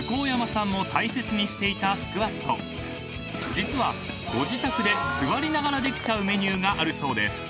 ［実はご自宅で座りながらできちゃうメニューがあるそうです］